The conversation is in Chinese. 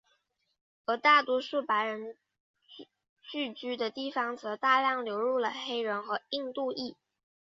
而大多数白人聚居的地方则大量流入了黑人和印度裔。